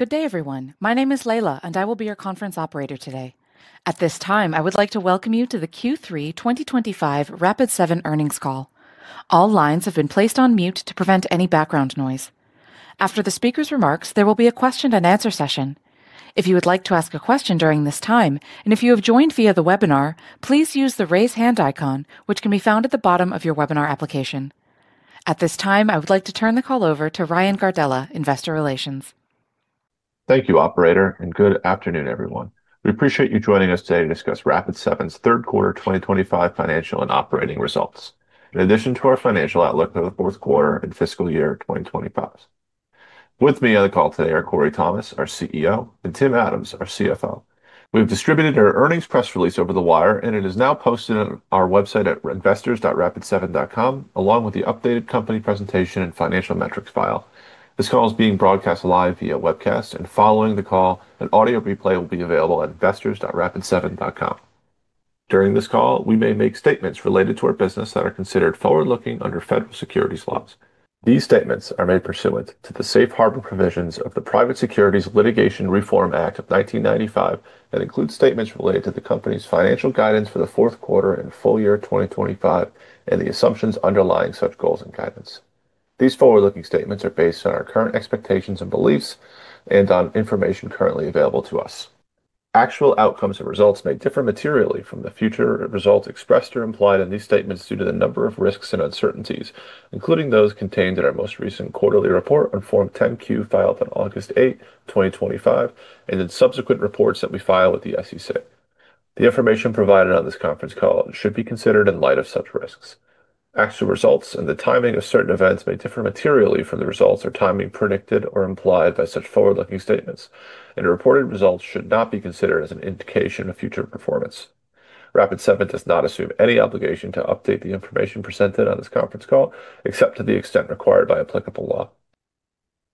Good day, everyone. My name is Leila, and I will be your conference operator today. At this time, I would like to welcome you to the Q3 2025 Rapid7 earnings call. All lines have been placed on mute to prevent any background noise. After the speaker's remarks, there will be a question-and-answer session. If you would like to ask a question during this time, and if you have joined via the webinar, please use the raise hand icon, which can be found at the bottom of your webinar application. At this time, I would like to turn the call over to Ryan Gardella, Investor Relations. Thank you, Operator, and good afternoon, everyone. We appreciate you joining us today to discuss Rapid7's third quarter 2025 financial and operating results, in addition to our financial outlook for the fourth quarter and fiscal year 2025. With me on the call today are Corey Thomas, our CEO, and Tim Adams, our CFO. We have distributed our earnings press release over the wire, and it is now posted on our website at investors.rapid7.com, along with the updated company presentation and financial metrics file. This call is being broadcast live via webcast, and following the call, an audio replay will be available at investors.rapid7.com. During this call, we may make statements related to our business that are considered forward-looking under federal securities laws. These statements are made pursuant to the safe harbor provisions of the Private Securities Litigation Reform Act of 1995 and include statements related to the company's financial guidance for the fourth quarter and full year 2025, and the assumptions underlying such goals and guidance. These forward-looking statements are based on our current expectations and beliefs and on information currently available to us. Actual outcomes and results may differ materially from the future results expressed or implied in these statements due to the number of risks and uncertainties, including those contained in our most recent quarterly report on Form 10-Q filed on August 8, 2025, and in subsequent reports that we file with the SEC. The information provided on this conference call should be considered in light of such risks. Actual results and the timing of certain events may differ materially from the results or timing predicted or implied by such forward-looking statements, and reported results should not be considered as an indication of future performance. Rapid7 does not assume any obligation to update the information presented on this conference call, except to the extent required by applicable law.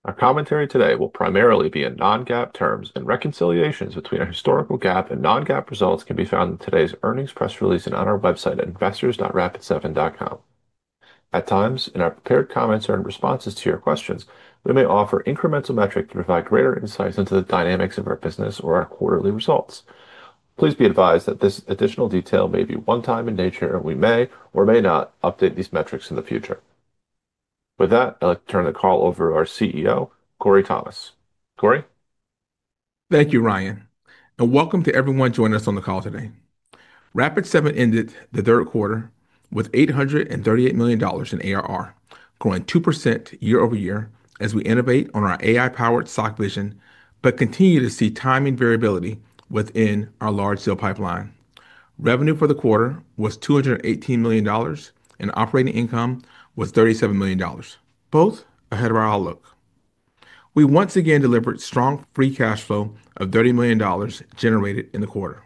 Our commentary today will primarily be on non-GAAP terms and reconciliations between our historical GAAP and non-GAAP results can be found in today's earnings press release and on our website at investors.rapid7.com. At times, in our prepared comments or in responses to your questions, we may offer incremental metrics to provide greater insights into the dynamics of our business or our quarterly results. Please be advised that this additional detail may be one-time in nature, and we may or may not update these metrics in the future. With that, I'd like to turn the call over to our CEO, Corey Thomas. Corey? Thank you, Ryan, and welcome to everyone joining us on the call today. Rapid7 ended the third quarter with $838 million in ARR, growing 2% year over year as we innovate on our AI-powered SOC vision but continue to see timing variability within our large-sale pipeline. Revenue for the quarter was $218 million, and operating income was $37 million, both ahead of our outlook. We once again delivered strong free cash flow of $30 million generated in the quarter.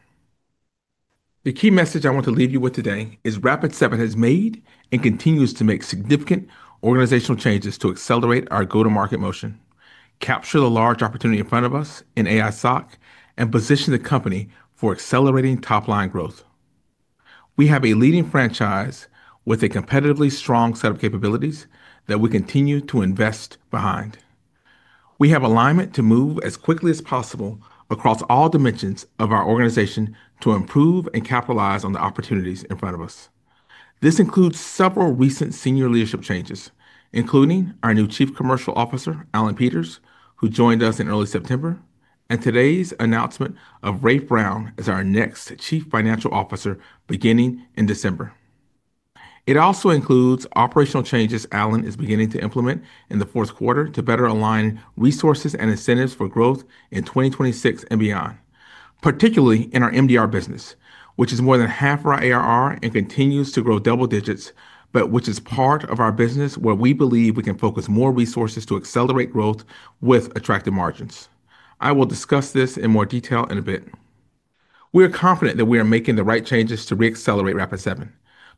The key message I want to leave you with today is Rapid7 has made and continues to make significant organizational changes to accelerate our go-to-market motion, capture the large opportunity in front of us in AI SOC, and position the company for accelerating top-line growth. We have a leading franchise with a competitively strong set of capabilities that we continue to invest behind. We have alignment to move as quickly as possible across all dimensions of our organization to improve and capitalize on the opportunities in front of us. This includes several recent senior leadership changes, including our new Chief Commercial Officer, Allan Peters, who joined us in early September, and today's announcement of Rafe Brown as our next Chief Financial Officer beginning in December. It also includes operational changes Allan is beginning to implement in the fourth quarter to better align resources and incentives for growth in 2026 and beyond, particularly in our MDR business, which is more than half of our ARR and continues to grow double digits, but which is part of our business where we believe we can focus more resources to accelerate growth with attractive margins. I will discuss this in more detail in a bit. We are confident that we are making the right changes to re-accelerate Rapid7,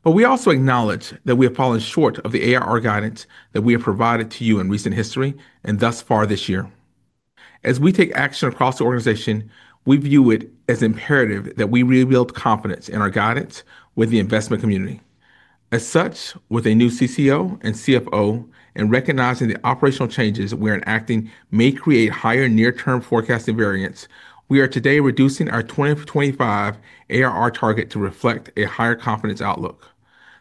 but we also acknowledge that we have fallen short of the ARR guidance that we have provided to you in recent history and thus far this year. As we take action across the organization, we view it as imperative that we rebuild confidence in our guidance with the investment community. As such, with a new CCO and CFO and recognizing the operational changes we are enacting may create higher near-term forecasting variance, we are today reducing our 2025 ARR target to reflect a higher confidence outlook.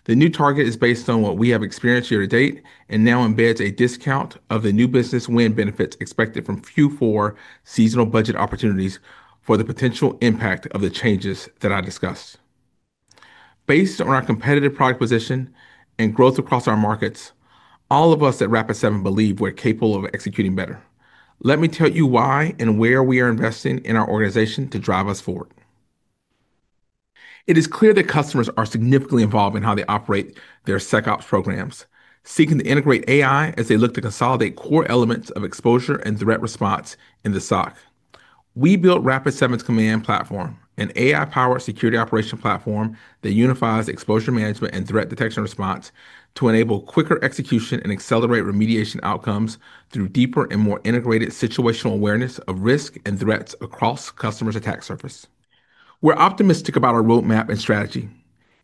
The new target is based on what we have experienced year to date and now embeds a discount of the new business win benefits expected from Q4 seasonal budget opportunities for the potential impact of the changes that I discussed. Based on our competitive product position and growth across our markets, all of us at Rapid7 believe we're capable of executing better. Let me tell you why and where we are investing in our organization to drive us forward. It is clear that customers are significantly involved in how they operate their SecOps programs, seeking to integrate AI as they look to consolidate core elements of exposure and threat response in the SOC. We built Rapid7's Command Platform, an AI-powered security operations platform that unifies exposure management and threat detection and response to enable quicker execution and accelerate remediation outcomes through deeper and more integrated situational awareness of risk and threats across customers' attack surface. We're optimistic about our roadmap and strategy,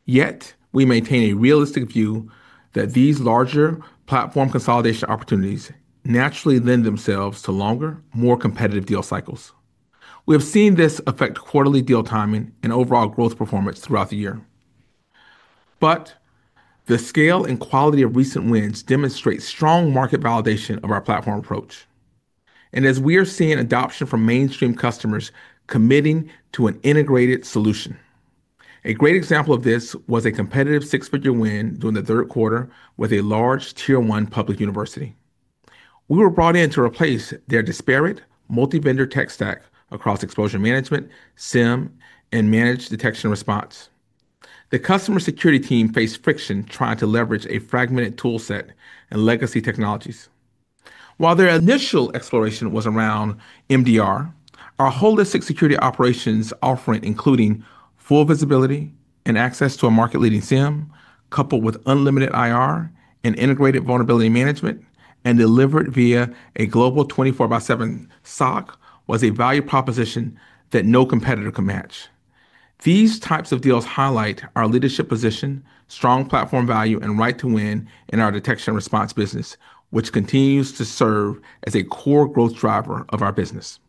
yet we maintain a realistic view that these larger platform consolidation opportunities naturally lend themselves to longer, more competitive deal cycles. We have seen this affect quarterly deal timing and overall growth performance throughout the year. But the scale and quality of recent wins demonstrate strong market validation of our platform approach. And as we are seeing adoption from mainstream customers committing to an integrated solution. A great example of this was a competitive six-figure win during the third quarter with a large tier-one public university. We were brought in to replace their disparate multi-vendor tech stack across exposure management, SIEM, and managed detection and response. The customer security team faced friction trying to leverage a fragmented toolset and legacy technologies. While their initial exploration was around MDR, our holistic security operations offering, including full visibility and access to a market-leading SIEM, coupled with unlimited IR and integrated vulnerability management, and delivered via a global 24/7 SOC, was a value proposition that no competitor could match. These types of deals highlight our leadership position, strong platform value, and right to win in our detection and response business, which continues to serve as a core growth driver of our business.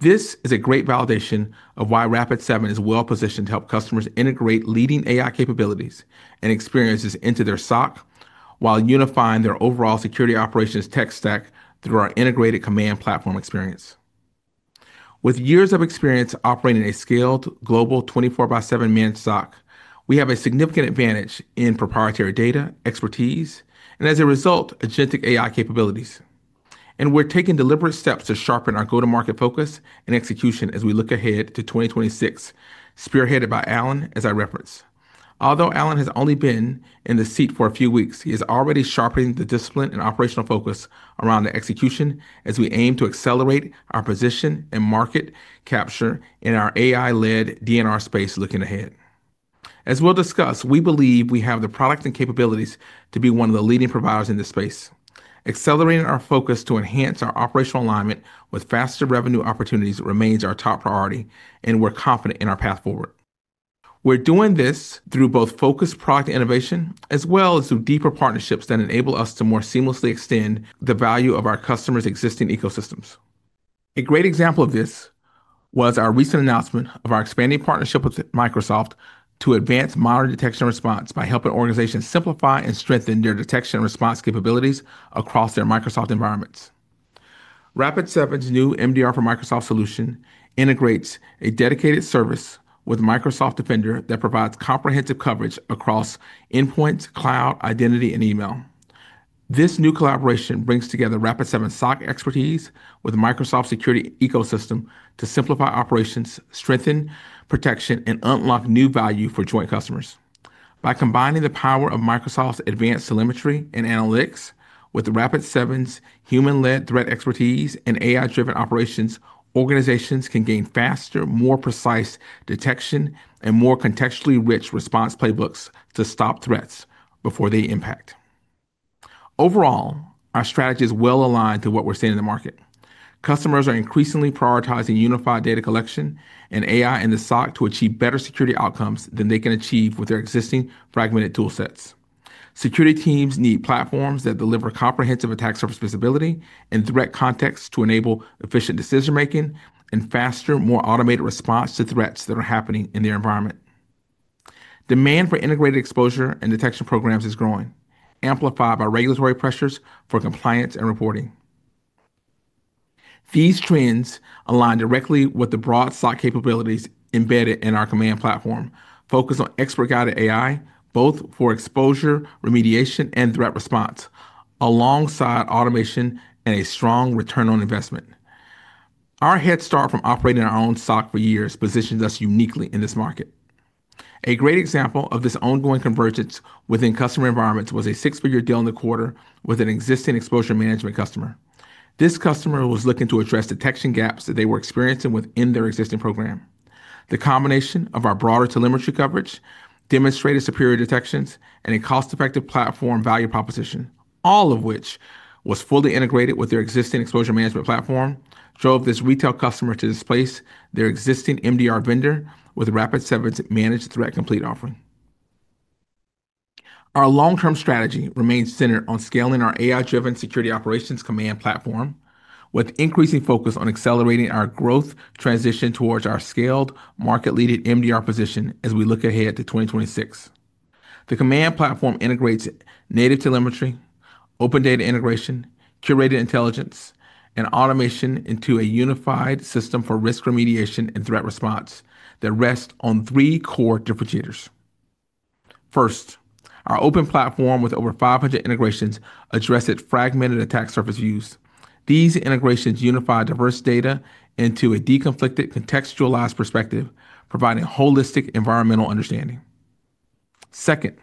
This is a great validation of why Rapid7 is well-positioned to help customers integrate leading AI capabilities and experiences into their SOC while unifying their overall security operations tech stack through our integrated Command Platform experience. With years of experience operating a scaled global 24/7 managed SOC, we have a significant advantage in proprietary data, expertise, and, as a result, agentic AI capabilities. And we're taking deliberate steps to sharpen our go-to-market focus and execution as we look ahead to 2026, spearheaded by Allan as I referenced. Although Allan has only been in the seat for a few weeks, he is already sharpening the discipline and operational focus around the execution as we aim to accelerate our position and market capture in our AI-led MDR space looking ahead. As we'll discuss, we believe we have the product and capabilities to be one of the leading providers in this space. Accelerating our focus to enhance our operational alignment with faster revenue opportunities remains our top priority, and we're confident in our path forward. We're doing this through both focused product innovation as well as through deeper partnerships that enable us to more seamlessly extend the value of our customers' existing ecosystems. A great example of this was our recent announcement of our expanding partnership with Microsoft to advance managed detection and response by helping organizations simplify and strengthen their detection and response capabilities across their Microsoft environments. Rapid7's new MDR for Microsoft solution integrates a dedicated service with Microsoft Defender that provides comprehensive coverage across endpoints, cloud, identity, and email. This new collaboration brings together Rapid7's SOC expertise with Microsoft's security ecosystem to simplify operations, strengthen protection, and unlock new value for joint customers. By combining the power of Microsoft's advanced telemetry and analytics with Rapid7's human-led threat expertise and AI-driven operations, organizations can gain faster, more precise detection and more contextually rich response playbooks to stop threats before they impact. Overall, our strategy is well-aligned to what we're seeing in the market. Customers are increasingly prioritizing unified data collection and AI in the SOC to achieve better security outcomes than they can achieve with their existing fragmented toolsets. Security teams need platforms that deliver comprehensive attack surface visibility and threat context to enable efficient decision-making and faster, more automated response to threats that are happening in their environment. Demand for integrated exposure and detection programs is growing, amplified by regulatory pressures for compliance and reporting. These trends align directly with the broad SOC capabilities embedded in our Command Platform, focused on expert-guided AI, both for exposure, remediation, and threat response, alongside automation and a strong return on investment. Our head start from operating our own SOC for years positions us uniquely in this market. A great example of this ongoing convergence within customer environments was a six-figure deal in the quarter with an existing exposure management customer. This customer was looking to address detection gaps that they were experiencing within their existing program. The combination of our broader telemetry coverage, demonstrated superior detections, and a cost-effective platform value proposition, all of which was fully integrated with their existing exposure management platform, drove this retail customer to displace their existing MDR vendor with Rapid7's Managed Threat Complete offering. Our long-term strategy remains centered on scaling our AI-driven security operations Command Platform, with increasing focus on accelerating our growth transition towards our scaled market-leading MDR position as we look ahead to 2026. The Command Platform integrates native telemetry, open data integration, curated intelligence, and automation into a unified system for risk remediation and threat response that rests on three core differentiators. First, our open platform with over 500 integrations addresses fragmented attack surface use. These integrations unify diverse data into a deconflicted, contextualized perspective, providing holistic environmental understanding. Second,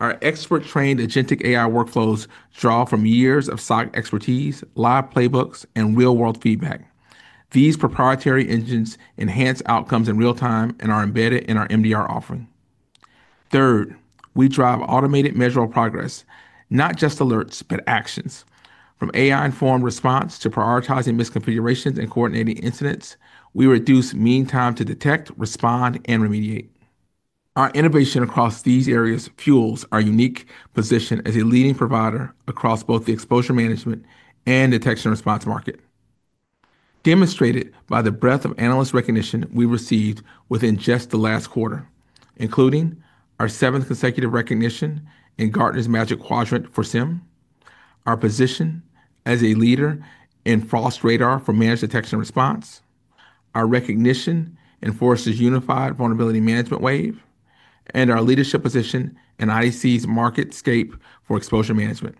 our expert-trained agentic AI workflows draw from years of SOC expertise, live playbooks, and real-world feedback. These proprietary engines enhance outcomes in real time and are embedded in our MDR offering. Third, we drive automated measurable progress, not just alerts, but actions. From AI-informed response to prioritizing misconfigurations and coordinating incidents, we reduce mean time to detect, respond, and remediate. Our innovation across these areas fuels our unique position as a leading provider across both the exposure management and detection response market. Demonstrated by the breadth of analyst recognition we received within just the last quarter, including our seventh consecutive recognition in Gartner's Magic Quadrant for SIEM, our position as a leader in Forrester Radar for managed detection response, our recognition in Forrester's unified vulnerability management wave, and our leadership position in IDC's MarketScape for exposure management.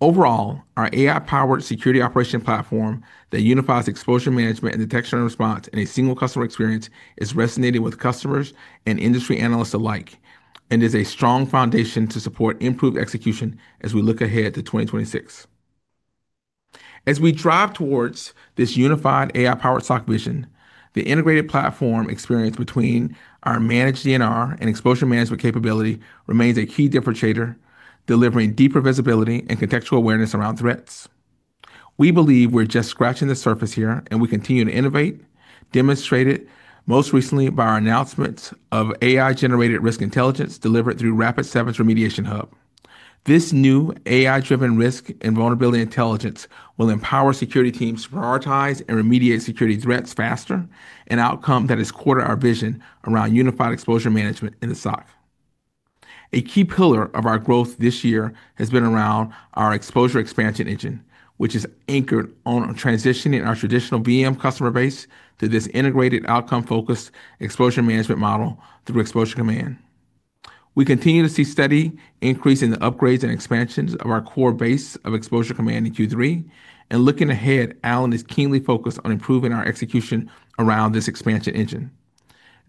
Overall, our AI-powered security operations platform that unifies exposure management and detection response in a single customer experience is resonating with customers and industry analysts alike and is a strong foundation to support improved execution as we look ahead to 2026. As we drive towards this unified AI-powered SOC vision, the integrated platform experience between our managed MDR and exposure management capability remains a key differentiator, delivering deeper visibility and contextual awareness around threats. We believe we're just scratching the surface here, and we continue to innovate, demonstrated most recently by our announcement of AI-generated risk intelligence delivered through Rapid7's Remediation Hub. This new AI-driven risk and vulnerability intelligence will empower security teams to prioritize and remediate security threats faster, an outcome that has furthered our vision around unified exposure management in the SOC. A key pillar of our growth this year has been around our exposure expansion engine, which is anchored on transitioning our traditional VM customer base to this integrated outcome-focused exposure management model through Exposure Command. We continue to see steady increase in the upgrades and expansions of our core base of Exposure Command in Q3, and looking ahead, Allan is keenly focused on improving our execution around this expansion engine.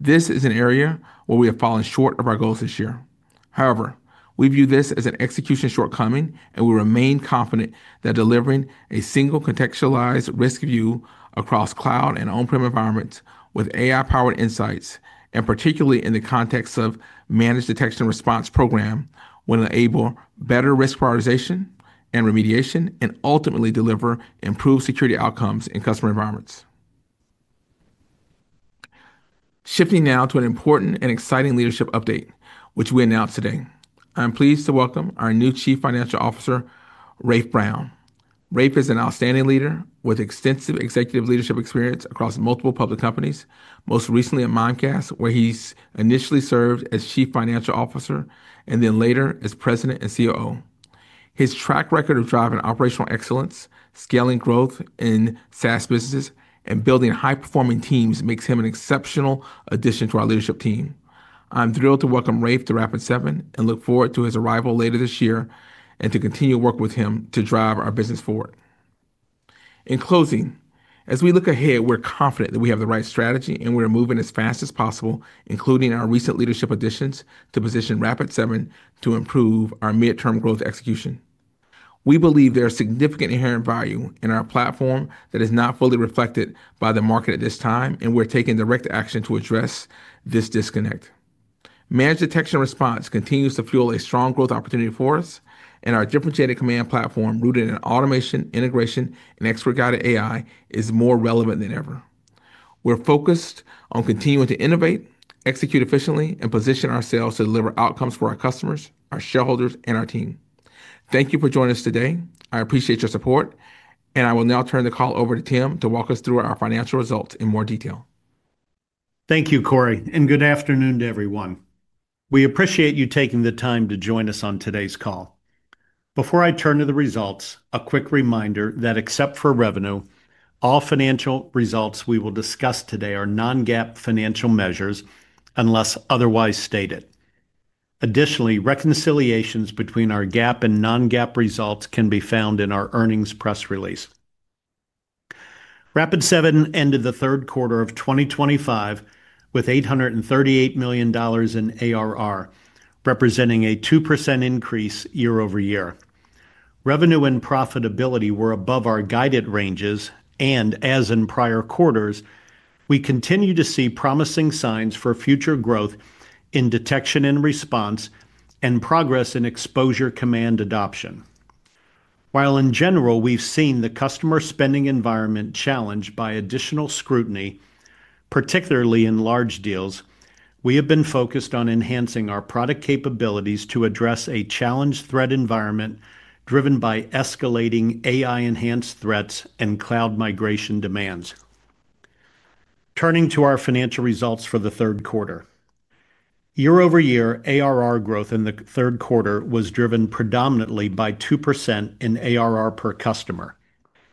This is an area where we have fallen short of our goals this year. However, we view this as an execution shortcoming, and we remain confident that delivering a single contextualized risk view across cloud and on-prem environments with AI-powered insights, and particularly in the context of managed detection response program, will enable better risk prioritization and remediation and ultimately deliver improved security outcomes in customer environments. Shifting now to an important and exciting leadership update, which we announced today. I'm pleased to welcome our new Chief Financial Officer, Rafe Brown. Rafe is an outstanding leader with extensive executive leadership experience across multiple public companies, most recently at Mimecast, where he initially served as Chief Financial Officer and then later as President and COO. His track record of driving operational excellence, scaling growth in SaaS businesses, and building high-performing teams makes him an exceptional addition to our leadership team. I'm thrilled to welcome Rafe to Rapid7 and look forward to his arrival later this year and to continue working with him to drive our business forward. In closing, as we look ahead, we're confident that we have the right strategy and we're moving as fast as possible, including our recent leadership additions, to position Rapid7 to improve our midterm growth execution. We believe there is significant inherent value in our platform that is not fully reflected by the market at this time, and we're taking direct action to address this disconnect. Managed detection response continues to fuel a strong growth opportunity for us, and our differentiated Command Platform rooted in automation, integration, and expert-guided AI is more relevant than ever. We're focused on continuing to innovate, execute efficiently, and position ourselves to deliver outcomes for our customers, our shareholders, and our team. Thank you for joining us today. I appreciate your support, and I will now turn the call over to Tim to walk us through our financial results in more detail. Thank you, Corey, and good afternoon to everyone. We appreciate you taking the time to join us on today's call. Before I turn to the results, a quick reminder that except for revenue, all financial results we will discuss today are non-GAAP financial measures unless otherwise stated. Additionally, reconciliations between our GAAP and non-GAAP results can be found in our earnings press release. Rapid7 ended the third quarter of 2025 with $838 million in ARR, representing a 2% increase year-over-year. Revenue and profitability were above our guided ranges, and as in prior quarters, we continue to see promising signs for future growth in detection and response and progress in Exposure Command adoption. While, in general, we've seen the customer spending environment challenged by additional scrutiny, particularly in large deals, we have been focused on enhancing our product capabilities to address a challenged threat environment driven by escalating AI-enhanced threats and cloud migration demands. Turning to our financial results for the third quarter. Year-over-year ARR growth in the third quarter was driven predominantly by 2% in ARR per customer,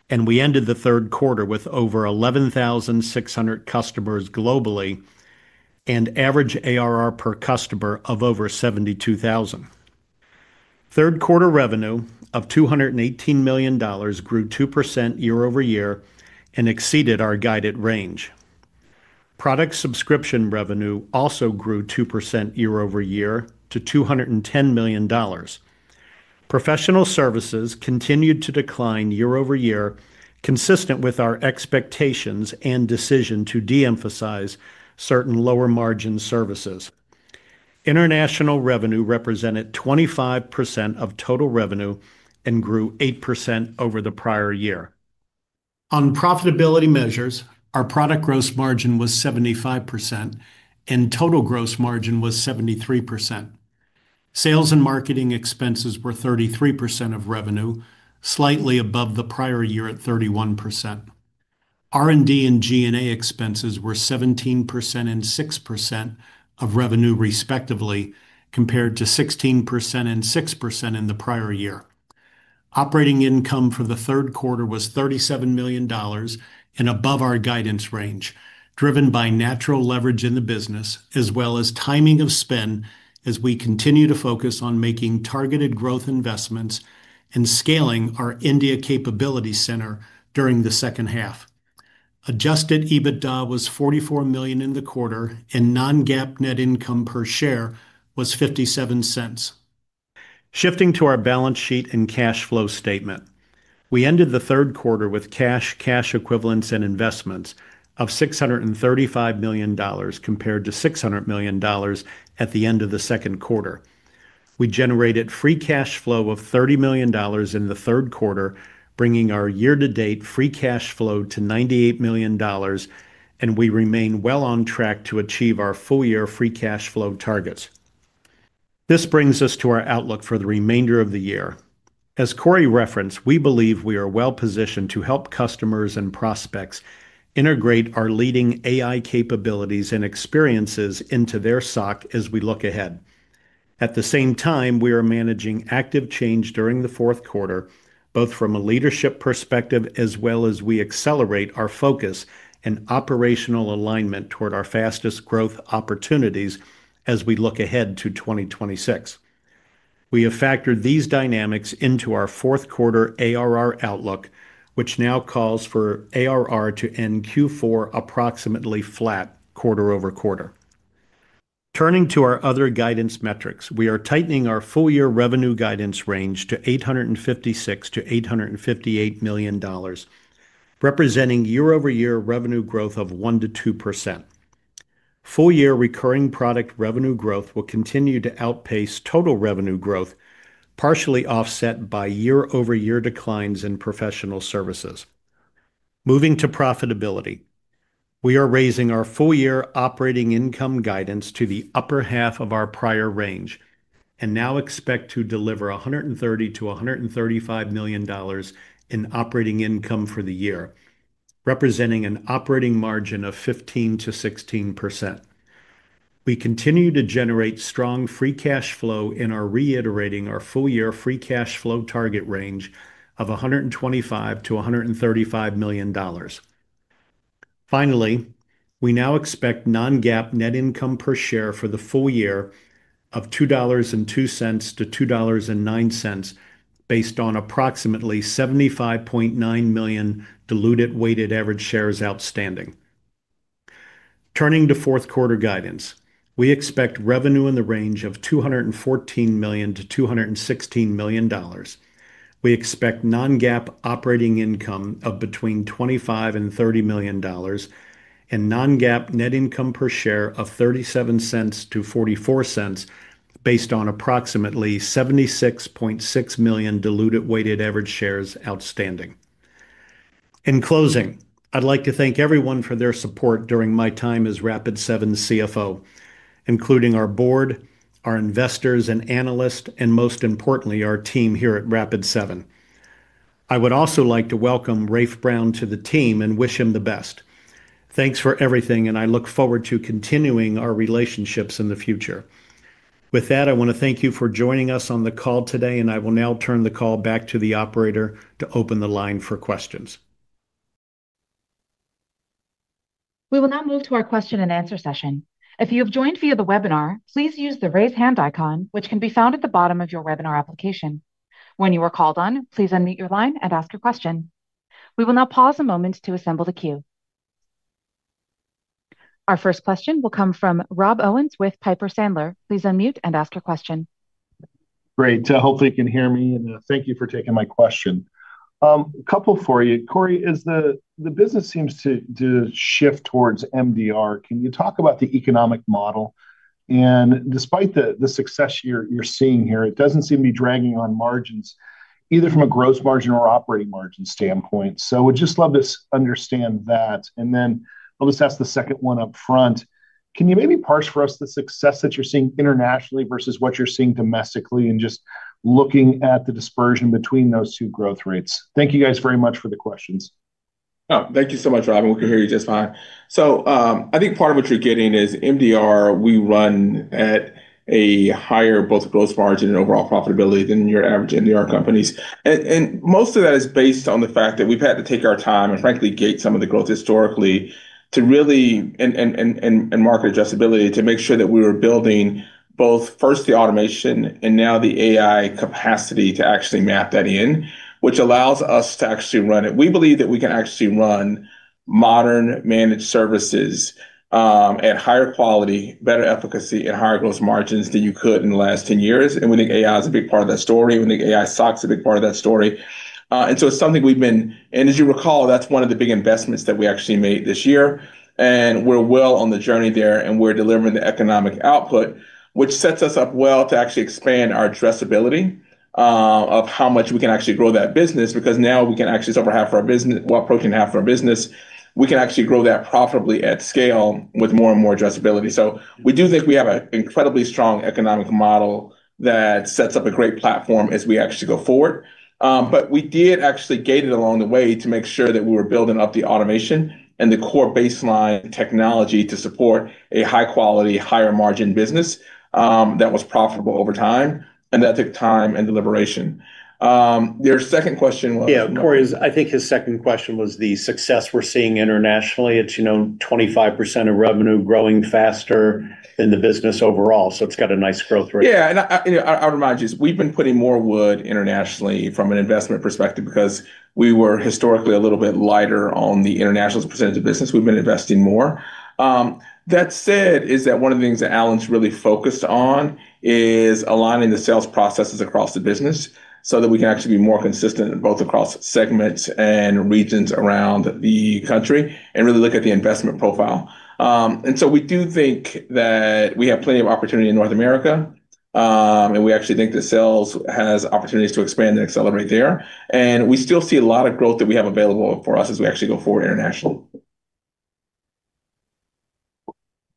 and we ended the third quarter with over 11,600 customers globally and average ARR per customer of over $72,000. Third quarter revenue of $218 million grew 2% year-over-year and exceeded our guided range. Product subscription revenue also grew 2% year-over-year to $210 million. Professional services continued to decline year-over-year, consistent with our expectations and decision to de-emphasize certain lower-margin services. International revenue represented 25% of total revenue and grew 8% over the prior year. On profitability measures, our product gross margin was 75%, and total gross margin was 73%. Sales and marketing expenses were 33% of revenue, slightly above the prior year at 31%. R&D and G&A expenses were 17% and 6% of revenue, respectively, compared to 16% and 6% in the prior year. Operating income for the third quarter was $37 million, and above our guidance range, driven by natural leverage in the business, as well as timing of spend, as we continue to focus on making targeted growth investments and scaling our India Capability Center during the second half. Adjusted EBITDA was $44 million in the quarter, and non-GAAP net income per share was $0.57. Shifting to our balance sheet and cash flow statement, we ended the third quarter with cash, cash equivalents, and investments of $635 million compared to $600 million at the end of the second quarter. We generated free cash flow of $30 million in the third quarter, bringing our year-to-date free cash flow to $98 million, and we remain well on track to achieve our full-year free cash flow targets. This brings us to our outlook for the remainder of the year. As Corey referenced, we believe we are well-positioned to help customers and prospects integrate our leading AI capabilities and experiences into their SOC as we look ahead. At the same time, we are managing active change during the fourth quarter, both from a leadership perspective as well as we accelerate our focus and operational alignment toward our fastest growth opportunities as we look ahead to 2026. We have factored these dynamics into our fourth quarter ARR outlook, which now calls for ARR to end Q4 approximately flat quarter over quarter. Turning to our other guidance metrics, we are tightening our full-year revenue guidance range to $856 million-$858 million. Representing year-over-year revenue growth of 1%-2%. Full-year recurring product revenue growth will continue to outpace total revenue growth, partially offset by year-over-year declines in professional services. Moving to profitability, we are raising our full-year operating income guidance to the upper half of our prior range and now expect to deliver $130 million-$135 million. In operating income for the year, representing an operating margin of 15%-16%. We continue to generate strong free cash flow in our reiterating our full-year free cash flow target range of $125 million-$135 million. Finally, we now expect non-GAAP net income per share for the full year of $2.02-$2.09. Based on approximately 75.9 million diluted weighted average shares outstanding. Turning to fourth quarter guidance, we expect revenue in the range of $214 million-$216 million. We expect non-GAAP operating income of between $25 million and $30 million. And non-GAAP net income per share of $0.37-$0.44. Based on approximately 76.6 million diluted weighted average shares outstanding. In closing, I'd like to thank everyone for their support during my time as Rapid7 CFO, including our board, our investors and analysts, and most importantly, our team here at Rapid7. I would also like to welcome Rafe Brown to the team and wish him the best. Thanks for everything, and I look forward to continuing our relationships in the future. With that, I want to thank you for joining us on the call today, and I will now turn the call back to the operator to open the line for questions. We will now move to our question and answer session. If you have joined via the webinar, please use the raise hand icon, which can be found at the bottom of your webinar application. When you are called on, please unmute your line and ask your question. We will now pause a moment to assemble the queue. Our first question will come from Rob Owens with Piper Sandler. Please unmute and ask your question. Great. Hopefully, you can hear me, and thank you for taking my question. A couple for you. Corey, as the business seems to shift towards MDR, can you talk about the economic model? And despite the success you're seeing here, it doesn't seem to be dragging on margins, either from a gross margin or operating margin standpoint. So we'd just love to understand that. And then I'll just ask the second one up front. Can you maybe parse for us the success that you're seeing internationally versus what you're seeing domestically and just looking at the dispersion between those two growth rates? Thank you guys very much for the questions. Thank you so much, Rob. I think we can hear you just fine. So I think part of what you're getting is MDR, we run at a higher both gross margin and overall profitability than your average MDR companies. And most of that is based on the fact that we've had to take our time and, frankly, gate some of the growth historically to really. And market adjustability to make sure that we were building both first the automation and now the AI capacity to actually map that in, which allows us to actually run it. We believe that we can actually run. Modern managed services. At higher quality, better efficacy, and higher gross margins than you could in the last 10 years. And we think AI is a big part of that story. We think AI SOC is a big part of that story. And so it's something we've been, and as you recall, that's one of the big investments that we actually made this year. And we're well on the journey there, and we're delivering the economic output, which sets us up well to actually expand our addressability of how much we can actually grow that business because now we can actually over half of our business, well, approaching half of our business, we can actually grow that profitably at scale with more and more addressability. So we do think we have an incredibly strong economic model that sets up a great platform as we actually go forward. But we did actually gate it along the way to make sure that we were building up the automation and the core baseline technology to support a high-quality, higher-margin business. That was profitable over time and that took time and deliberation. Your second question was. Yeah, Corey's, I think his second question was the success we're seeing internationally. It's 25% of revenue growing faster than the business overall. So it's got a nice growth rate. Yeah. And I would remind you, we've been putting more wood internationally from an investment perspective because we were historically a little bit lighter on the international percentage of business. We've been investing more. That said, is that one of the things that Allan's really focused on is aligning the sales processes across the business so that we can actually be more consistent both across segments and regions around the country and really look at the investment profile. And so we do think that we have plenty of opportunity in North America. And we actually think that sales has opportunities to expand and accelerate there. And we still see a lot of growth that we have available for us as we actually go forward internationally.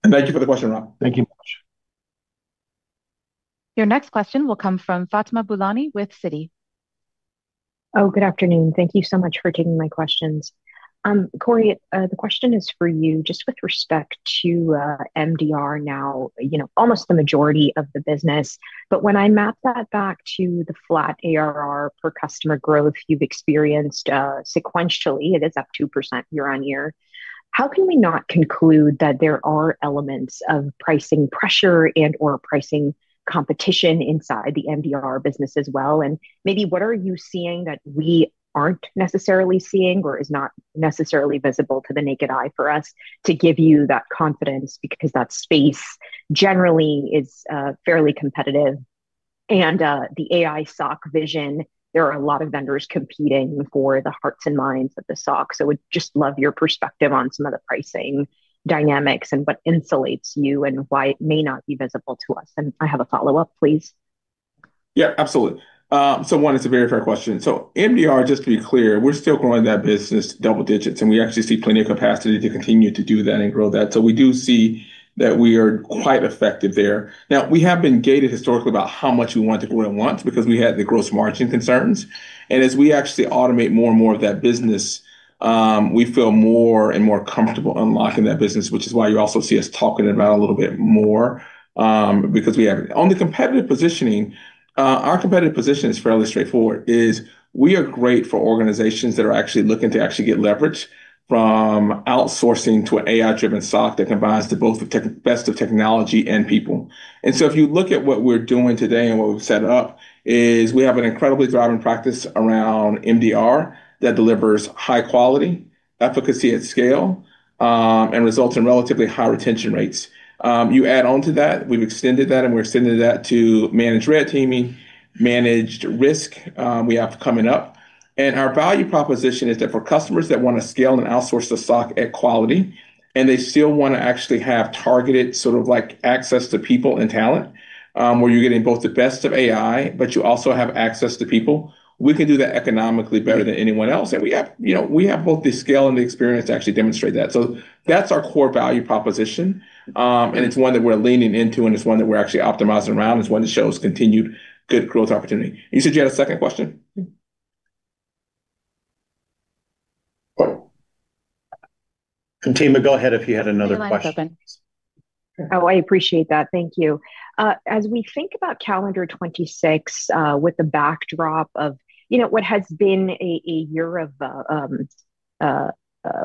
And thank you for the question, Rob. Thank you much. Your next question will come from Fatima Boolani with Citi. Oh, good afternoon. Thank you so much for taking my questions. Corey, the question is for you, just with respect to MDR now, almost the majority of the business. But when I map that back to the flat ARR per customer growth you've experienced sequentially, it is up 2% year-on-year. How can we not conclude that there are elements of pricing pressure and/or pricing competition inside the MDR business as well? And maybe what are you seeing that we aren't necessarily seeing or is not necessarily visible to the naked eye for us to give you that confidence because that space generally is fairly competitive? And the AI SOC vision, there are a lot of vendors competing for the hearts and minds of the SOC. So we'd just love your perspective on some of the pricing dynamics and what insulates you and why it may not be visible to us. And I have a follow-up, please. Yeah, absolutely. So one is a very fair question. So MDR, just to be clear, we're still growing that business to double digits, and we actually see plenty of capacity to continue to do that and grow that. So we do see that we are quite effective there. Now, we have been gated historically about how much we want to grow because we had the gross margin concerns. And as we actually automate more and more of that business, we feel more and more comfortable unlocking that business, which is why you also see us talking about it a little bit more. Because we have on the competitive positioning, our competitive position is fairly straightforward. We are great for organizations that are actually looking to actually get leverage from outsourcing to an AI-driven SOC that combines the best of technology and people. And so if you look at what we're doing today and what we've set up, is we have an incredibly thriving practice around MDR that delivers high quality, efficacy at scale. And results in relatively high retention rates. You add on to that, we've extended that, and we're extending that to managed red teaming, managed risk we have coming up. And our value proposition is that for customers that want to scale and outsource the SOC at quality and they still want to actually have targeted sort of access to people and talent, where you're getting both the best of AI, but you also have access to people, we can do that economically better than anyone else. And we have both the scale and the experience to actually demonstrate that. So that's our core value proposition. And it's one that we're leaning into, and it's one that we're actually optimizing around. It's one that shows continued good growth opportunity. You said you had a second question? Fatima, go ahead if you had another question. Oh, I appreciate that. Thank you. As we think about calendar 2026 with the backdrop of what has been a year of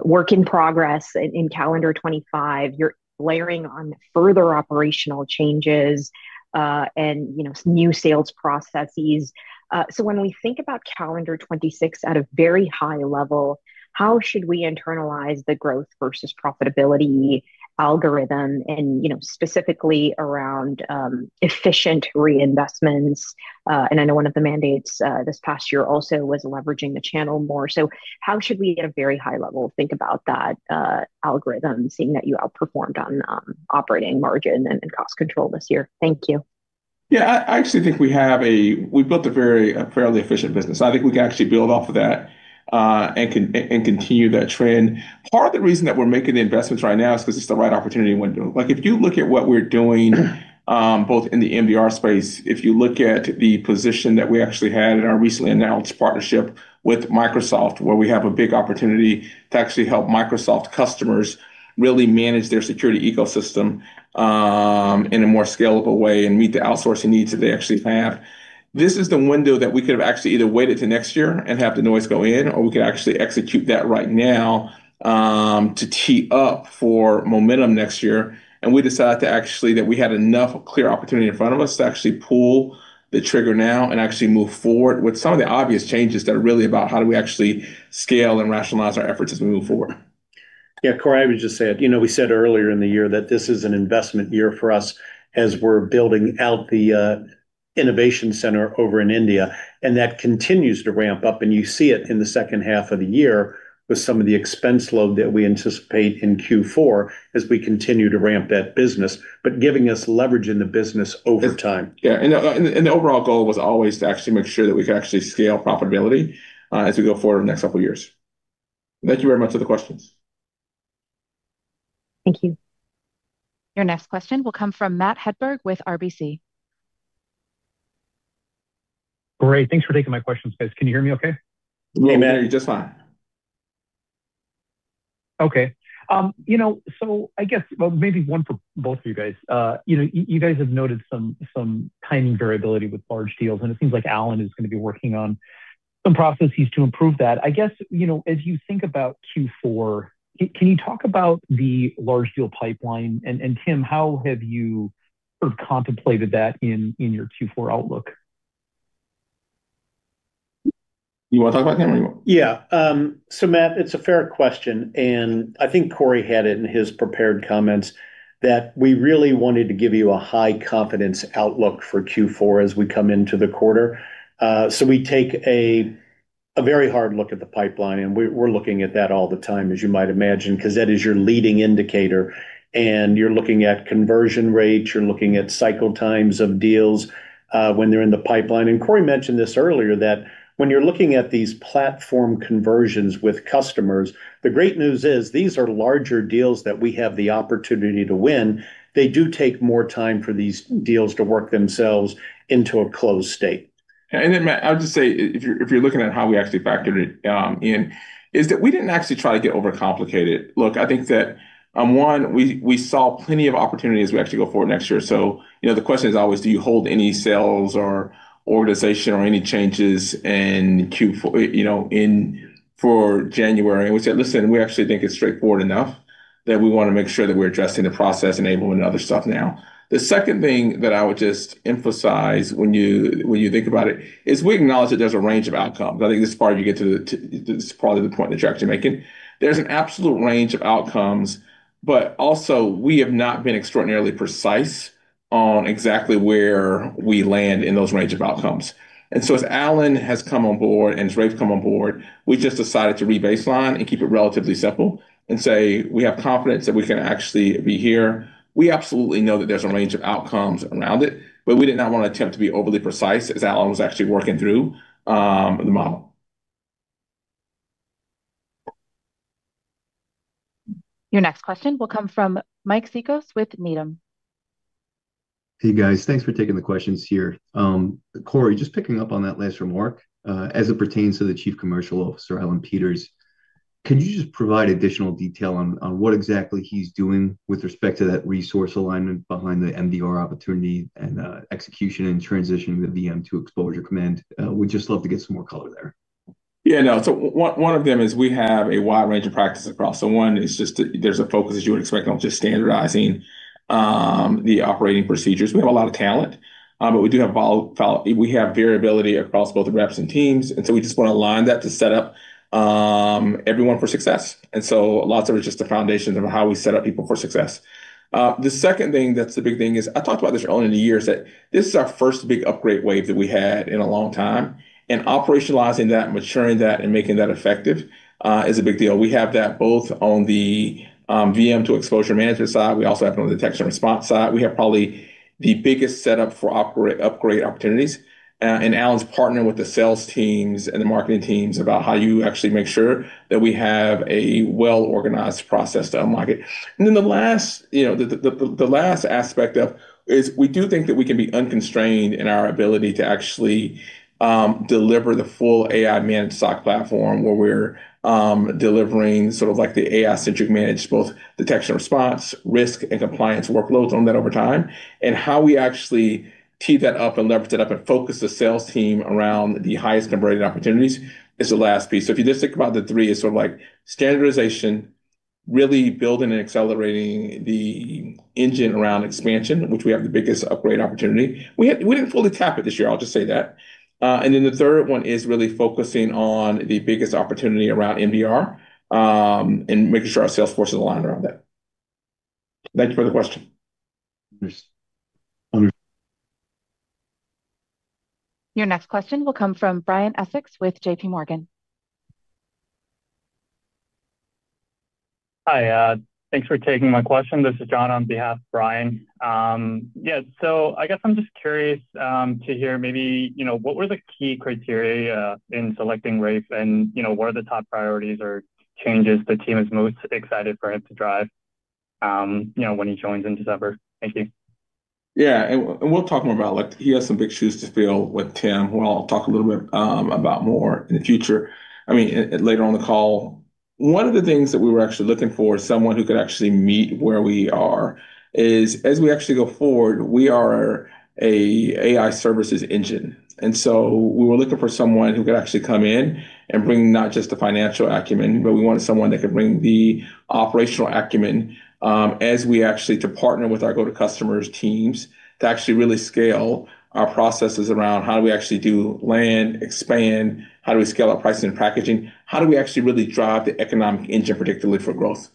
work in progress in calendar 2025, you're layering on further operational changes and new sales processes. So when we think about calendar 1026 at a very high level, how should we internalize the growth versus profitability algorithm and specifically around efficient reinvestments? And I know one of the mandates this past year also was leveraging the channel more. So how should we at a very high level think about that algorithm, seeing that you outperformed on operating margin and cost control this year? Thank you. Yeah, I actually think we have built a fairly efficient business. I think we can actually build off of that and continue that trend. Part of the reason that we're making the investments right now is because it's the right opportunity window. If you look at what we're doing both in the MDR space, if you look at the position that we actually had in our recently announced partnership with Microsoft, where we have a big opportunity to actually help Microsoft customers really manage their security ecosystem in a more scalable way and meet the outsourcing needs that they actually have. This is the window that we could have actually either waited to next year and have the noise go in, or we could actually execute that right now to tee up for momentum next year. And we decided that we had enough clear opportunity in front of us to actually pull the trigger now and actually move forward with some of the obvious changes that are really about how do we actually scale and rationalize our efforts as we move forward. Yeah, Corey, I would just say, we said earlier in the year that this is an investment year for us as we're building out the innovation center over in India, and that continues to ramp up. And you see it in the second half of the year with some of the expense load that we anticipate in Q4 as we continue to ramp that business, but giving us leverage in the business over time. Yeah. And the overall goal was always to actually make sure that we could actually scale profitability as we go forward in the next couple of years. Thank you very much for the questions. Thank you. Your next question will come from Matt Hedberg with RBC. Corey, thanks for taking my questions, guys. Can you hear me okay? Yeah, man, you're just fine. Okay. So I guess maybe one for both of you guys. You guys have noted some timing variability with large deals, and it seems like Allan is going to be working on some processes to improve that. I guess, as you think about Q4, can you talk about the large deal pipeline? And Tim, how have you sort of contemplated that in your Q4 outlook? You want to talk about that or you want? Yeah. So, Matt, it's a fair question. And I think Corey had it in his prepared comments that we really wanted to give you a high confidence outlook for Q4 as we come into the quarter. So we take a very hard look at the pipeline, and we're looking at that all the time, as you might imagine, because that is your leading indicator. And you're looking at conversion rates, you're looking at cycle times of deals when they're in the pipeline. And Corey mentioned this earlier, that when you're looking at these platform conversions with customers, the great news is these are larger deals that we have the opportunity to win. They do take more time for these deals to work themselves into a closed state. And then, Matt, I would just say, if you're looking at how we actually factored it in, is that we didn't actually try to get overcomplicated. Look, I think that. One, we saw plenty of opportunity as we actually go forward next year. So the question is always, do you hold any sales or organization or any changes in Q4. For January? And we said, listen, we actually think it's straightforward enough that we want to make sure that we're addressing the process enablement and other stuff now. The second thing that I would just emphasize when you think about it is we acknowledge that there's a range of outcomes. I think this is part of you get to. This is probably the point that you're actually making. There's an absolute range of outcomes, but also we have not been extraordinarily precise on exactly where we land in those range of outcomes. And so as Allan has come on board and as Rafe has come on board, we just decided to rebaseline and keep it relatively simple and say we have confidence that we can actually be here. We absolutely know that there's a range of outcomes around it, but we did not want to attempt to be overly precise as Allan was actually working through the model. Your next question will come from Mike Cikos with Needham. Hey, guys. Thanks for taking the questions here. Corey, just picking up on that last remark as it pertains to the Chief Commercial Officer, Allan Peters, could you just provide additional detail on what exactly he's doing with respect to that resource alignment behind the MDR opportunity and execution and transitioning the VM to Exposure Command? We'd just love to get some more color there. Yeah, no. So one is just there's a focus, as you would expect, on just standardizing the operating procedures. We have a lot of talent, but we have variability across both reps and teams. And so we just want to align that to set up everyone for success. And so lots of it is just the foundations of how we set up people for success. The second thing that's the big thing is I talked about this earlier in the year is that this is our first big upgrade wave that we had in a long time. And operationalizing that, maturing that, and making that effective is a big deal. We have that both on the VM to exposure management side. We also have it on the threat and response side. We have probably the biggest setup for upgrade opportunities. And Allan's partnering with the sales teams and the marketing teams about how you actually make sure that we have a well-organized process to unlock it. And then the last aspect of it is we do think that we can be unconstrained in our ability to actually deliver the full AI-managed SOC platform where we're delivering sort of like the AI-centric managed both detection and response, risk, and compliance workloads on that over time. And how we actually tee that up and leverage that up and focus the sales team around the highest converted opportunities is the last piece. So if you just think about the three, it's sort of like standardization, really building and accelerating the engine around expansion, which we have the biggest upgrade opportunity. We didn't fully tap it this year, I'll just say that. And then the third one is really focusing on the biggest opportunity around MDR. And making sure our sales force is aligned around that. Thank you for the question. Your next question will come from Brian Essex with JPMorgan. Hi. Thanks for taking my question. This is John on behalf of Brian. Yeah. So I guess I'm just curious to hear maybe what were the key criteria in selecting Rafe and what are the top priorities or changes the team is most excited for him to drive when he joins in December. Thank you. Yeah. And we'll talk more about it. He has some big shoes to fill with Tim. We'll talk a little bit more about it in the future. I mean, later on the call, one of the things that we were actually looking for is someone who could actually meet where we are is, as we actually go forward, we are an AI services engine. And so we were looking for someone who could actually come in and bring not just the financial acumen, but we wanted someone that could bring the operational acumen as we actually partner with our go-to customers' teams to actually really scale our processes around how do we actually do land, expand, how do we scale our pricing and packaging, how do we actually really drive the economic engine, particularly for growth.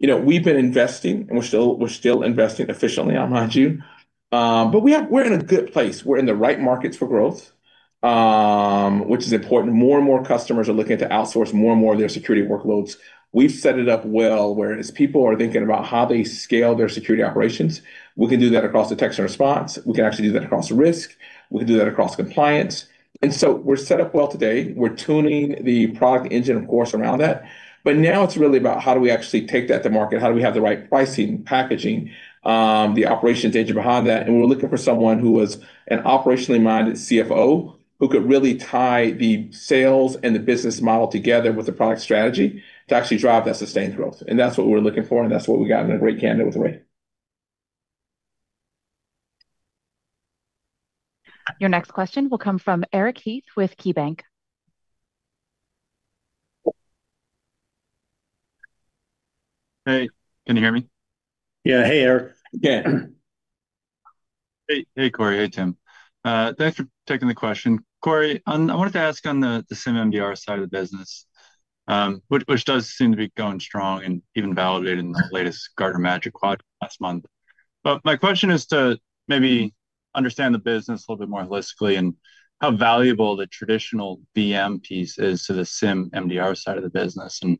We've been investing, and we're still investing efficiently. I'm not you. But we're in a good place. We're in the right markets for growth. Which is important. More and more customers are looking to outsource more and more of their security workloads. We've set it up well where as people are thinking about how they scale their security operations, we can do that across the threat detection and response. We can actually do that across risk. We can do that across compliance. And so we're set up well today. We're tuning the product engine, of course, around that. But now it's really about how do we actually take that to market? How do we have the right pricing, packaging, the operations engine behind that? And we're looking for someone who was an operationally minded CFO who could really tie the sales and the business model together with the product strategy to actually drive that sustained growth. And that's what we're looking for, and that's what we got in a great candidate with Rafe. Your next question will come from Eric Heath with KeyBanc. Hey. Can you hear me? Yeah. Hey, Eric. Yeah. Hey, Corey. Hey, Tim. Thanks for taking the question. Corey, I wanted to ask on the SIEM MDR side of the business. Which does seem to be going strong and even validated in the latest Gartner Magic Quadrant last month. But my question is to maybe understand the business a little bit more holistically and how valuable the traditional VM piece is to the SIEM MDR side of the business. And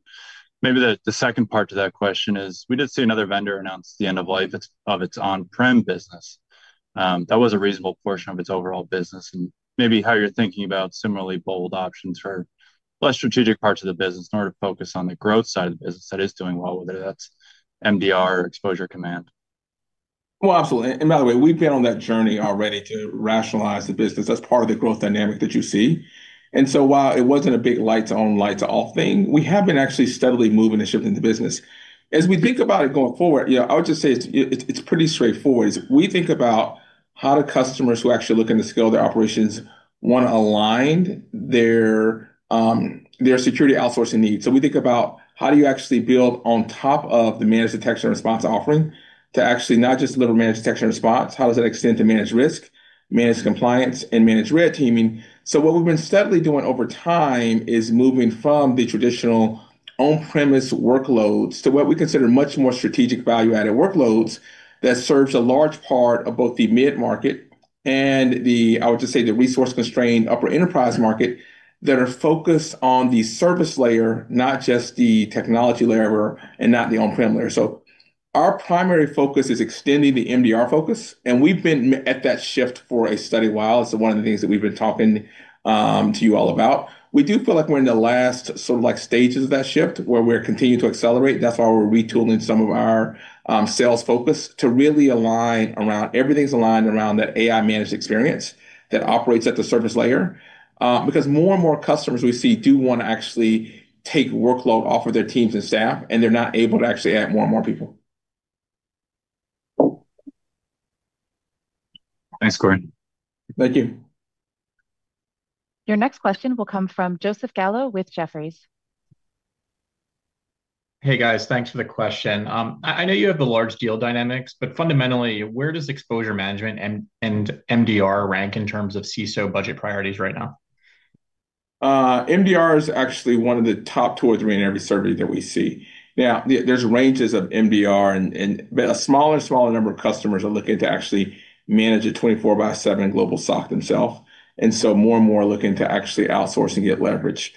maybe the second part to that question is we did see another vendor announce the end of life of its on-prem business. That was a reasonable portion of its overall business. And maybe how you're thinking about similarly bold options for less strategic parts of the business in order to focus on the growth side of the business that is doing well, whether that's MDR or Exposure Command. Well, absolutely. And by the way, we've been on that journey already to rationalize the business. That's part of the growth dynamic that you see. And so while it wasn't a big lights-on-lights-off thing, we have been actually steadily moving and shifting the business. As we think about it going forward, I would just say it's pretty straightforward. We think about how do customers who actually look to scale their operations want to align their security outsourcing needs. So we think about how do you actually build on top of the managed detection and response offering to actually not just deliver managed detection and response. How does that extend to managed risk, managed compliance, and managed red teaming. So what we've been steadily doing over time is moving from the traditional on-premise workloads to what we consider much more strategic value-added workloads that serves a large part of both the mid-market and the, I would just say, the resource-constrained upper enterprise market that are focused on the service layer, not just the technology layer and not the on-prem layer. So our primary focus is extending the MDR focus. And we've been at that shift for a steady while. It's one of the things that we've been talking to you all about. We do feel like we're in the last sort of stages of that shift where we're continuing to accelerate. That's why we're retooling some of our sales focus to really align around everything's aligned around that AI-managed experience that operates at the service layer. Because more and more customers we see do want to actually take workload off of their teams and staff, and they're not able to actually add more and more people. Thanks, Corey. Thank you. Your next question will come from Joseph Gallo with Jefferies. Hey, guys. Thanks for the question. I know you have the large deal dynamics, but fundamentally, where does exposure management and MDR rank in terms of CISO budget priorities right now. MDR is actually one of the top two or three in every survey that we see. Now, there's ranges of MDR, but a smaller and smaller number of customers are looking to actually manage a 24-by-7 global SOC themselves. And so more and more are looking to actually outsource and get leverage,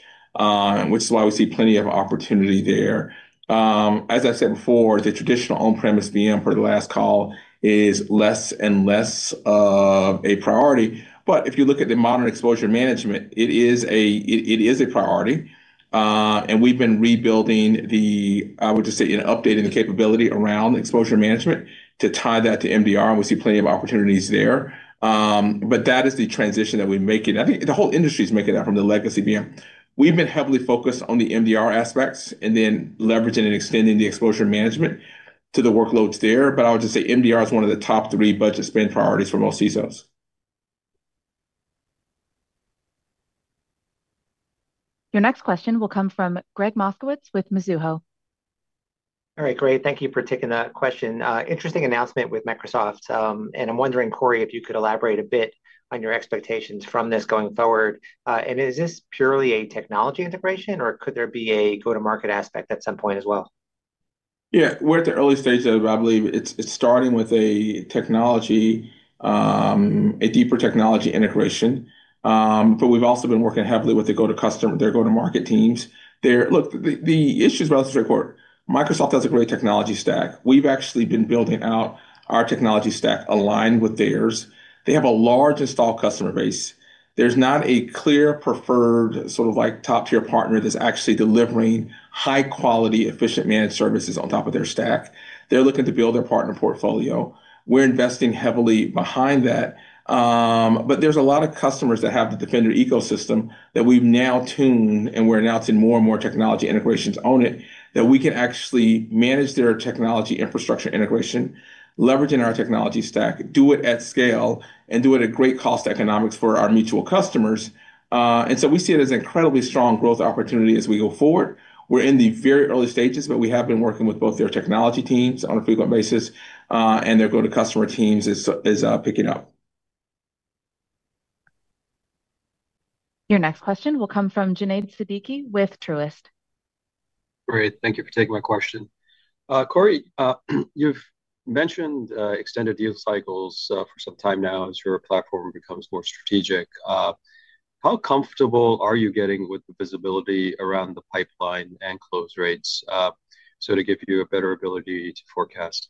which is why we see plenty of opportunity there. As I said before, the traditional on-premise VM for the last call is less and less of a priority. But if you look at the modern exposure management, it is a priority. And we've been rebuilding the, I would just say, updating the capability around exposure management to tie that to MDR, and we see plenty of opportunities there. But that is the transition that we're making. I think the whole industry is making that from the legacy VM. We've been heavily focused on the MDR aspects and then leveraging and extending the exposure management to the workloads there. But I would just say MDR is one of the top three budget spend priorities for most CISOs. Your next question will come from Gregg Moskowitz with Mizuho. All right, great. Thank you for taking that question. Interesting announcement with Microsoft. And I'm wondering, Corey, if you could elaborate a bit on your expectations from this going forward. And is this purely a technology integration, or could there be a go-to-market aspect at some point as well? Yeah. We're at the early stages of, I believe it's starting with a technology, a deeper technology integration. But we've also been working heavily with their go-to-market teams. Look, the issue is relatively straightforward. Microsoft has a great technology stack. We've actually been building out our technology stack aligned with theirs. They have a large installed customer base. There's not a clear preferred sort of top-tier partner that's actually delivering high-quality, efficient managed services on top of their stack. They're looking to build their partner portfolio. We're investing heavily behind that. But there's a lot of customers that have the Defender ecosystem that we've now tuned, and we're announcing more and more technology integrations on it that we can actually manage their technology infrastructure integration, leveraging our technology stack, do it at scale, and do it at great cost economics for our mutual customers. And so we see it as an incredibly strong growth opportunity as we go forward. We're in the very early stages, but we have been working with both their technology teams on a frequent basis, and their go-to-market teams is picking up. Your next question will come from Junaid Siddiqui with Truist. Great. Thank you for taking my question. Corey, you've mentioned extended deal cycles for some time now as your platform becomes more strategic. How comfortable are you getting with the visibility around the pipeline and close rates? So to give you a better ability to forecast.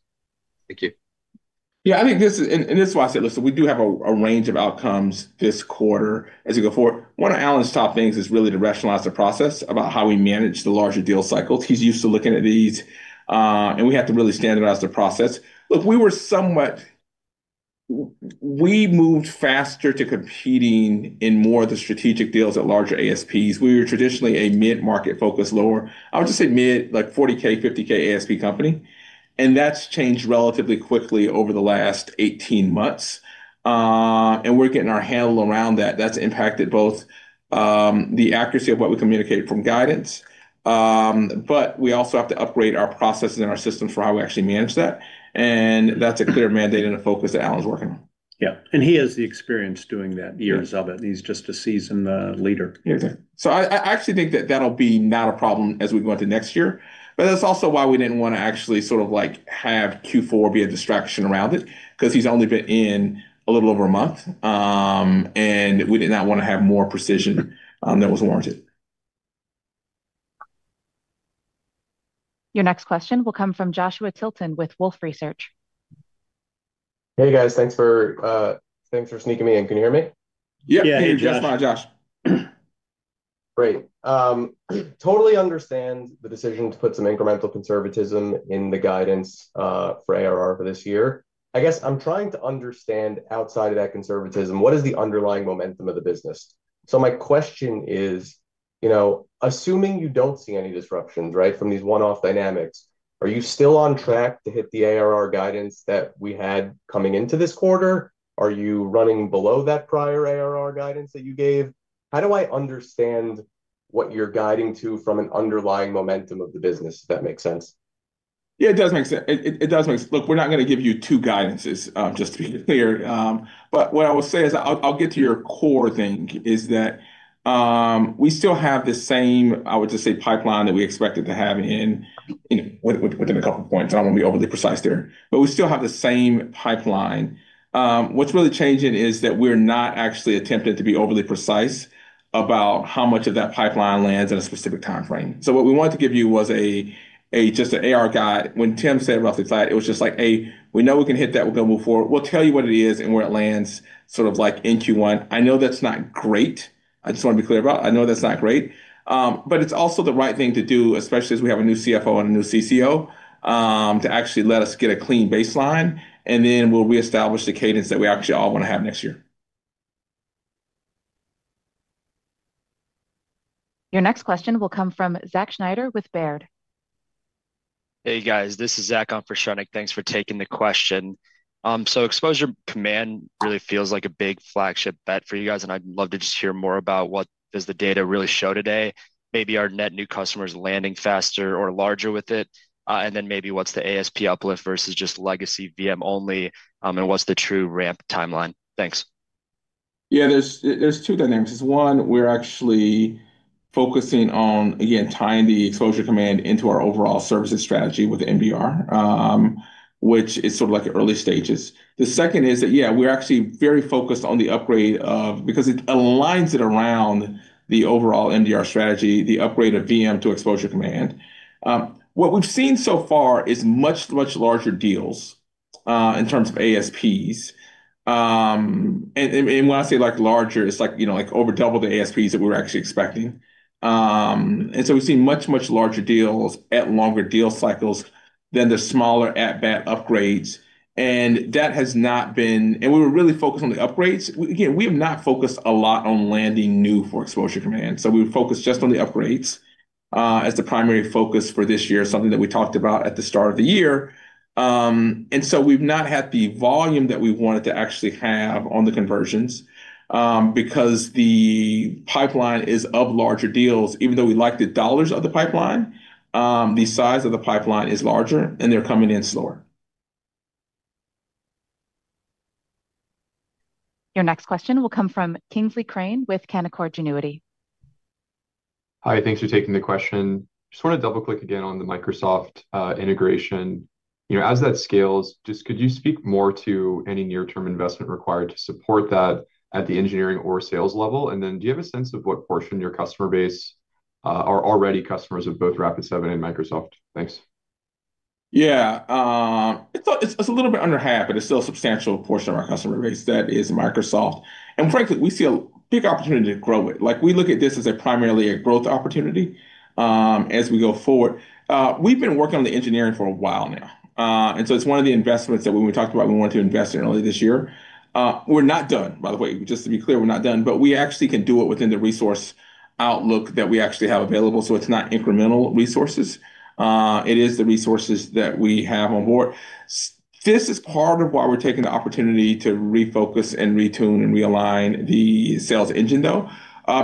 Thank you. Yeah, I think this is—and this is why I say, listen, we do have a range of outcomes this quarter as we go forward. One of Allan's top things is really to rationalize the process about how we manage the larger deal cycles. He's used to looking at these, and we have to really standardize the process. Look, we were somewhat— We moved faster to competing in more of the strategic deals at larger ASPs. We were traditionally a mid-market focus lower. I would just say mid, like 40K, 50K ASP company. And that's changed relatively quickly over the last 18 months. And we're getting our handle around that. That's impacted both. The accuracy of what we communicate from guidance. But we also have to upgrade our processes and our systems for how we actually manage that. And that's a clear mandate and a focus that Allan's working on. Yeah. And he has the experience doing that years of it. He's just a seasoned leader. So I actually think that that'll be not a problem as we go into next year. But that's also why we didn't want to actually sort of have Q4 be a distraction around it because he's only been in a little over a month. And we did not want to have more precision that was warranted. Your next question will come from Joshua Tilton with Wolfe Research. Hey, guys. Thanks for. Sneaking me in. Can you hear me? Yeah. Hey, Josh. Great. Totally understand the decision to put some incremental conservatism in the guidance for ARR for this year. I guess I'm trying to understand outside of that conservatism, what is the underlying momentum of the business? So my question is assuming you don't see any disruptions, right, from these one-off dynamics, are you still on track to hit the ARR guidance that we had coming into this quarter? Are you running below that prior ARR guidance that you gave? How do I understand what you're guiding to from an underlying momentum of the business, if that makes sense? Yeah, it does make sense. It does make sense. Look, we're not going to give you two guidances, just to be clear. But what I will say is I'll get to your core thing is that. We still have the same, I would just say, pipeline that we expected to have in. Within a couple of points. I don't want to be overly precise there. But we still have the same pipeline. What's really changing is that we're not actually attempting to be overly precise about how much of that pipeline lands in a specific timeframe. So what we wanted to give you was. Just an ARR guide. When Tim said roughly that, it was just like, "Hey, we know we can hit that. We're going to move forward." We'll tell you what it is and where it lands sort of like in Q1. I know that's not great. I just want to be clear about it. I know that's not great. But it's also the right thing to do, especially as we have a new CFO and a new CCO, to actually let us get a clean baseline. And then we'll reestablish the cadence that we actually all want to have next year. Your next question will come from Zach Schneider with Baird. Hey, guys. This is Zach. I'm for Shrenik. Thanks for taking the question. So Exposure Command really feels like a big flagship bet for you guys. And I'd love to just hear more about what does the data really show today? Maybe our net new customers landing faster or larger with it. And then maybe what's the ASP uplift versus just legacy VM only? And what's the true ramp timeline? Thanks. Yeah, there's two dynamics. One, we're actually. Focusing on, again, tying the Exposure Command into our overall services strategy with MDR. Which is sort of like early stages. The second is that, yeah, we're actually very focused on the upgrade of, because it aligns it around the overall MDR strategy, the upgrade of VM to Exposure Command. What we've seen so far is much, much larger deals in terms of ASPs. And when I say larger, it's like over double the ASPs that we were actually expecting. And so we've seen much, much larger deals at longer deal cycles than the smaller at-bat upgrades. And that has not been, and we were really focused on the upgrades. Again, we have not focused a lot on landing new for Exposure Command. So we were focused just on the upgrades as the primary focus for this year, something that we talked about at the start of the year. And so we've not had the volume that we wanted to actually have on the conversions because the pipeline is of larger deals. Even though we like the dollars of the pipeline, the size of the pipeline is larger, and they're coming in slower. Your next question will come from Kingsley Crane with Canaccord Genuity. Hi, thanks for taking the question. Just want to double-click again on the Microsoft integration. As that scales, just could you speak more to any near-term investment required to support that at the engineering or sales level? And then do you have a sense of what portion of your customer base are already customers of both Rapid7 and Microsoft? Thanks. Yeah. It's a little bit under half, but it's still a substantial portion of our customer base that is Microsoft. And frankly, we see a big opportunity to grow it. We look at this as primarily a growth opportunity as we go forward. We've been working on the engineering for a while now. And so it's one of the investments that when we talked about, we wanted to invest in early this year. We're not done, by the way. Just to be clear, we're not done. But we actually can do it within the resource outlook that we actually have available. So it's not incremental resources. It is the resources that we have on board. This is part of why we're taking the opportunity to refocus and retune and realign the sales engine, though.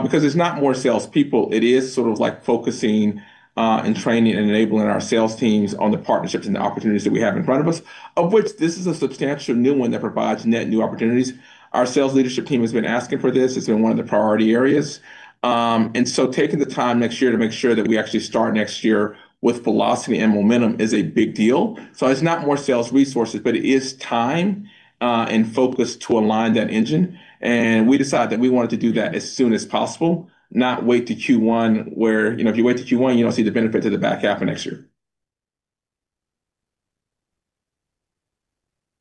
Because it's not more salespeople. It is sort of like focusing and training and enabling our sales teams on the partnerships and the opportunities that we have in front of us, of which this is a substantial new one that provides net new opportunities. Our sales leadership team has been asking for this. It's been one of the priority areas. And so taking the time next year to make sure that we actually start next year with velocity and momentum is a big deal. So it's not more sales resources, but it is time. And focus to align that engine. And we decided that we wanted to do that as soon as possible, not wait to Q1 where if you wait to Q1, you don't see the benefit to the back half of next year.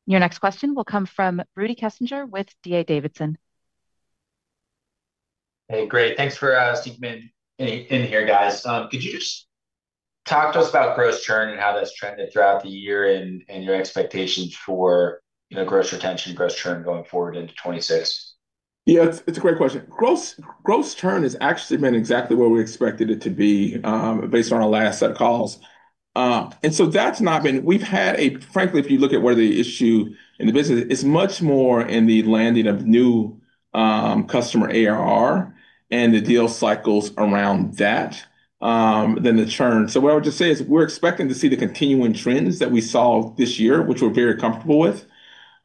Your next question will come from Rudy Kessinger with DA Davidson. Hey, great. Thanks for sneaking me in here, guys. Could you just talk to us about gross churn and how that's trended throughout the year and your expectations for gross retention, gross churn going forward into 20 26? Yeah, it's a great question. Gross churn has actually been exactly where we expected it to be based on our last set of calls. And so that's not been. We've had a frankly, if you look at where the issue in the business is, it's much more in the landing of new customer ARR and the deal cycles around that than the churn. So what I would just say is we're expecting to see the continuing trends that we saw this year, which we're very comfortable with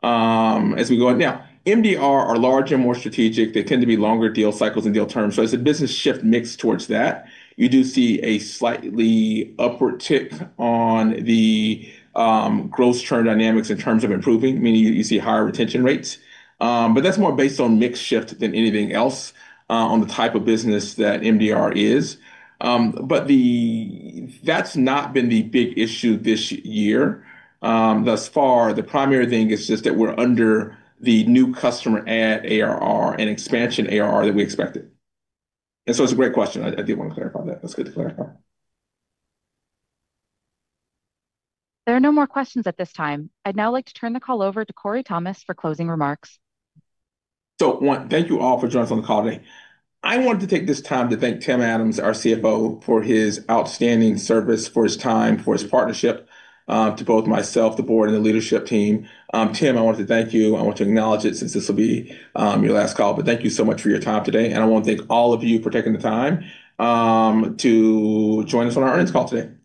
as we go on. Now, MDR are larger and more strategic. They tend to be longer deal cycles and deal terms. So as the business shift mixed towards that, you do see a slightly upward tick on the gross churn dynamics in terms of improving, meaning you see higher retention rates. But that's more based on mixed shift than anything else on the type of business that MDR is. That's not been the big issue this year thus far. The primary thing is just that we're under the new customer add ARR and expansion ARR that we expected. And so it's a great question. I did want to clarify that. That's good to clarify. There are no more questions at this time. I'd now like to turn the call over to Corey Thomas for closing remarks. So thank you all for joining us on the call today. I wanted to take this time to thank Tim Adams, our CFO, for his outstanding service, for his time, for his partnership to both myself, the board, and the leadership team. Tim, I wanted to thank you. I want to acknowledge it since this will be your last call. But thank you so much for your time today. And I want to thank all of you for taking the time to join us on our earnings call today. Thank you.